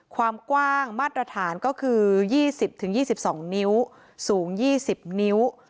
ความกว้างมาตรฐานก็คือ๒๐๒๒นิ้วสูง๒๐นิ้ว